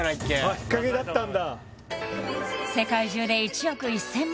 引っ掛けだったんだ